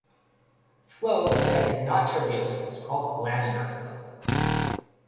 Flow that is not turbulent is called laminar flow.